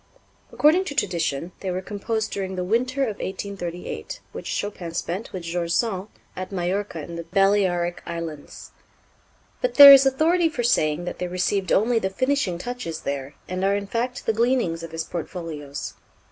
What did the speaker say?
According to tradition, they were composed during the winter of 1838, which Chopin spent with George Sand at Majorca in the Balearic Islands. But there is authority for saying that they received only the finishing touches there, and are in fact the gleanings of his portfolios.